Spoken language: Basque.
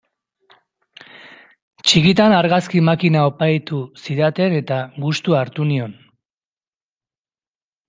Txikitan argazki makina oparitu zidaten eta gustua hartu nion.